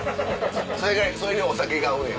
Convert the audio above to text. それにお酒が合うねや。